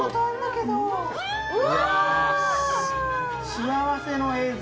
幸せの映像。